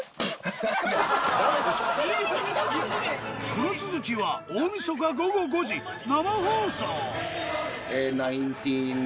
この続きは大晦日午後５時生放送！